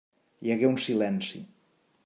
Hi hagué un silenci.